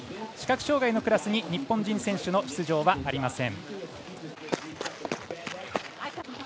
視覚障がいのクラスに日本人選手の出場はありません。